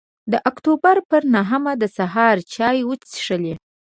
د اکتوبر پر نهمه د سهار چای وڅښلې.